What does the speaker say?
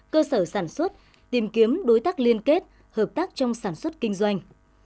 cơ sở sản xuất tìm kiếm đối tác liên kết hợp tác trong sản xuất kinh doanh